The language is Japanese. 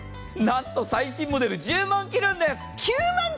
なんと最新モデルが１０万円切るんです。